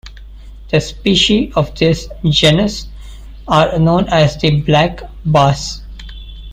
The species of this genus are known as the black bass.